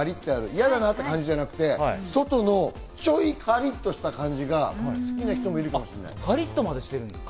嫌な感じじゃなくて、外もちょいカリッとした感じが好きな人もいるかもしれない。